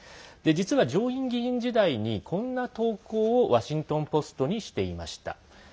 実は上院議員時代にこんな投稿をワシントン・ポストにしていました。